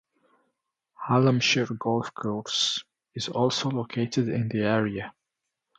Hallamshire Golf Course is also located in the area.